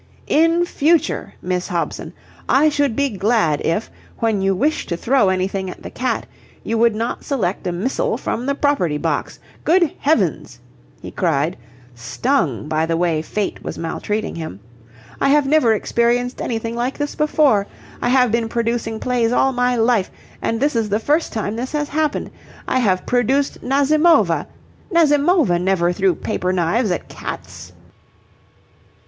"In future, Miss Hobson, I should be glad if, when you wish to throw anything at the cat, you would not select a missile from the property box. Good heavens!" he cried, stung by the way fate was maltreating him, "I have never experienced anything like this before. I have been producing plays all my life, and this is the first time this has happened. I have produced Nazimova. Nazimova never threw paper knives at cats."